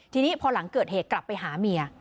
ทีนี้พอหลังเกิดเหตุกลับไปหาเมีย